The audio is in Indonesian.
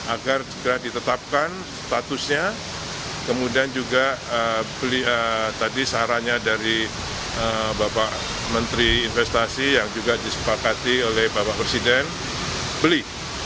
agar segera ditetapkan statusnya kemudian juga tadi sarannya dari bapak menteri investasi yang juga disepakati oleh bapak presiden beli